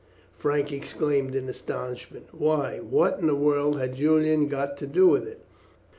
Frank exclaimed in astonishment. "Why, what in the world had Julian got to do with it?"